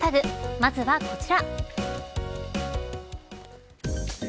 まずはこちら。